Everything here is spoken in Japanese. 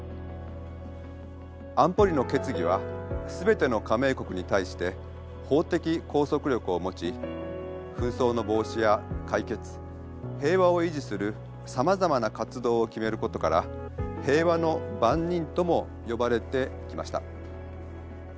安保理の決議は全ての加盟国に対して法的拘束力を持ち紛争の防止や解決平和を維持するさまざまな活動を決めることから「平和の番人」とも呼ばれてきました。